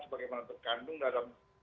sebagaimana terkandung dalam